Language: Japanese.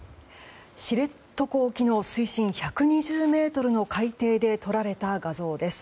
知床沖の水深１２０ｍの海底で撮られた画像です。